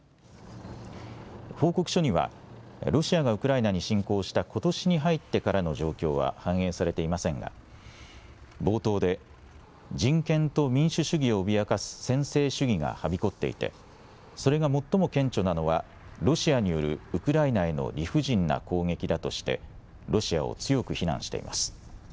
報告書にはロシアがウクライナに侵攻したことしに入ってからの状況は反映されていませんが冒頭で人権と民主主義を脅かす専制主義がはびこっていてそれが最も顕著なのはロシアによるウクライナへの理不尽な攻撃だとしてロシアを強く非難しています。